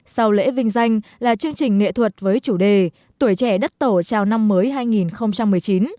sau lễ vinh danh là chương trình nghệ thuật với chủ đề tuổi trẻ đất tổ chào năm mới hai nghìn một mươi chín